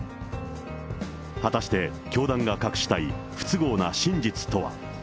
果たして教団が隠したい不都合な真実とは。